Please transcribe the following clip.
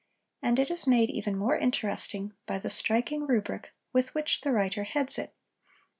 And it is made even more interesting by the striking rubric with which the writer heads it.